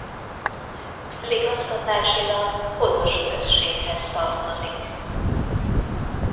Közigazgatásilag Kolozs községhez tartozik.